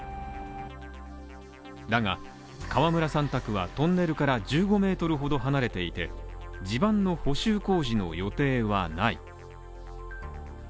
だが河村さん宅はトンネルから１５ｍほど離れていて、地盤の補修工事の予定はない。